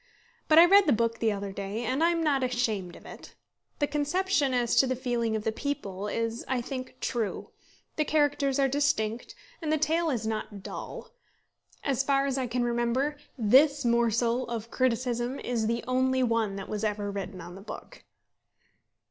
But I read the book the other day, and am not ashamed of it. The conception as to the feeling of the people is, I think, true; the characters are distinct; and the tale is not dull. As far as I can remember, this morsel of criticism is the only one that was ever written on the book.